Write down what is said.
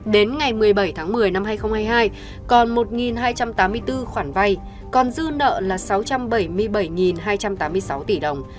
đến ngày một mươi bảy tháng một mươi năm hai nghìn hai mươi hai còn một hai trăm tám mươi bốn khoản vay còn dư nợ là sáu trăm bảy mươi bảy hai trăm tám mươi sáu tỷ đồng